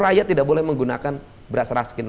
rakyat tidak boleh menggunakan beras raskin